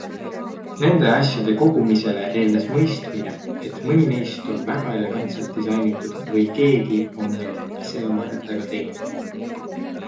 Nende asjade kogumisele eelnes mõistmine, et mõni neist on väga elegantselt disainitud või keegi on need ise oma kätega teinud.